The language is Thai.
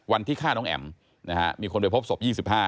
วันที่ฆ่าน้องแอ๋มมีคนไปพบศพ๒๕